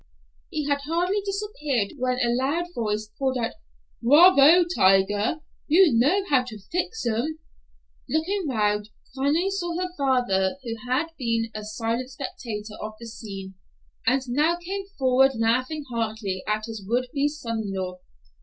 He had hardly disappeared when a loud voice called out, "Bravo, Tiger! You know how to fix 'em." Looking around, Fanny saw her father, who had been a silent spectator of the scene, and now came forward laughing heartily at his would be son in law.